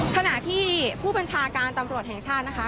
ขณะที่ผู้บัญชาการตำรวจแห่งชาตินะคะ